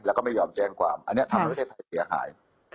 แล้วก็ไม่ยอมแจ้งความอันนี้ทำให้ประเทศไทยเสียหาย